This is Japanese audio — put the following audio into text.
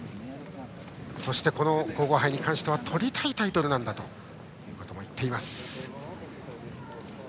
そして、皇后杯に関してはとりたいタイトルということも言っています。